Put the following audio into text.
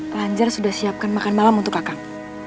pelajar sudah siapkan makan malam untuk kakang